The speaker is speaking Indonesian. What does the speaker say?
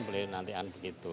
beliau nanti akan begitu